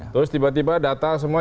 terus tiba tiba datang semua